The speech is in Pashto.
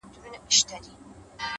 • زلمي به خاندي په شالمار کي ,